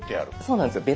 そうなんですよ。